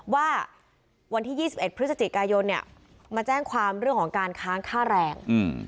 ว่าวันที่๒๑พฤศจิกายนมาแจ้งความเรื่องของการค้างค่าแรง